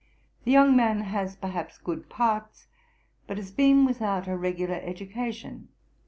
'The young man has perhaps good parts, but has been without a regular education.